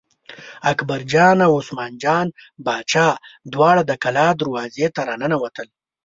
اکبرجان او عثمان جان باچا دواړه د کلا دروازې ته را ننوتل.